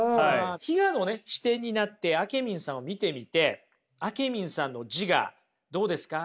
非我のね視点になってあけみんさんを見てみてあけみんさんの自我どうですか？